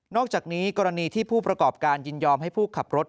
อกจากนี้กรณีที่ผู้ประกอบการยินยอมให้ผู้ขับรถ